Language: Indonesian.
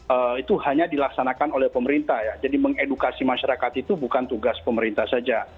tugas kita bersama ya itu hanya dilaksanakan oleh pemerintah ya jadi mengedukasi masyarakat itu bukan tugas pemerintah saja